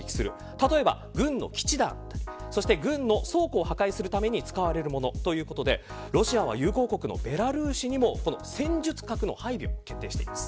例えば軍の基地だったり軍の倉庫を破壊するために使われるものということでロシアは友好国のベラルーシにも戦術核の配備を決定しています。